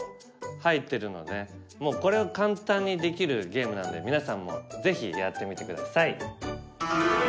もうこれは簡単にできるゲームなので皆さんもぜひやってみて下さい。